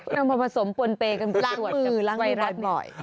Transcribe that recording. พร้อมผสมปนเปกับสวดกับไวรัสบ่อย